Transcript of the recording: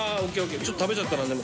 ちょっと食べちゃったなでも。